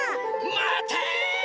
まて！